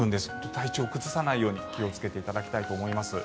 体調を崩さないように気をつけていただきたいと思います。